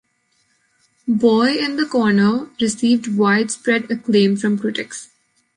"Boy in da Corner" received widespread acclaim from critics.